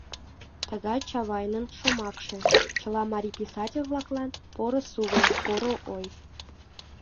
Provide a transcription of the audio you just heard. Тыгак Чавайнын шомакше — чыла марий писатель-влаклан поро сугынь, поро ой.